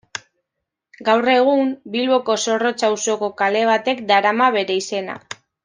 Gaur egun, Bilboko Zorrotza auzoko kale batek darama bere izena.